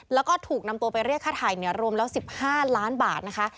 แล้วก็ถูกนำตัวไปเรียกค่าไทยรวมแล้ว๑๕ล้านบาทนะคะ